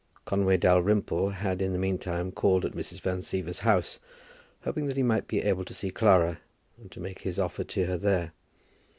Conway Dalrymple had in the meantime called at Mrs. Van Siever's house, hoping that he might be able to see Clara, and make his offer to her there.